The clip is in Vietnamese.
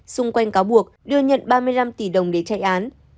xung quanh cáo buộc đưa nhận ba mươi năm tỷ đồng để chạy án